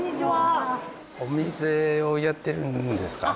お店をやってるんですか？